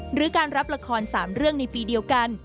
หรือการรับละคร๓เรื่องในปีเดียวกัน